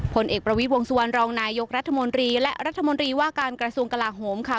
ผลเอกประวิทย์วงสุวรรณรองนายกรัฐมนตรีและรัฐมนตรีว่าการกระทรวงกลาโหมค่ะ